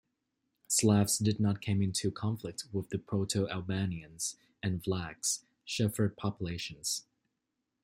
Slavs did not came into conflict with the Proto-Albanians and Vlachs, shepherd populations.